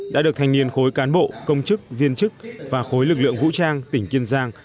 đã được thanh niên khối cán bộ công chức viên chức và khối lực lượng vũ trang tỉnh kiên giang